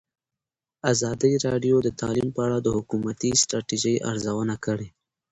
ازادي راډیو د تعلیم په اړه د حکومتي ستراتیژۍ ارزونه کړې.